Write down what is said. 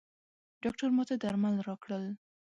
ډاکټر ماته درمل راکړل.